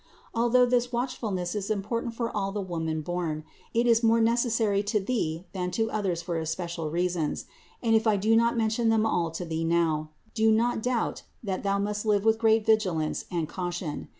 Although this watchfulness is important for all the woman born, it is more necessary to thee than to others for especial reasons : and if I do not mention them all ,to thee now, do not doubt, that thou must live with great vigilance and caution.